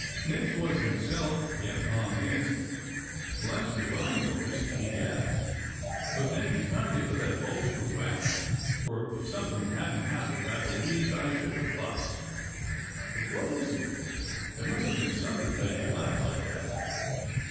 Mipps was himself again upon the instant. "Blessed if I knows," he gasped, "but thank you 133 134 DOCTOR SYN kindly for that bolster whack, for if something hadn't happened I believe I should have bust." "But what is it? There must have been something to make you laugh like that."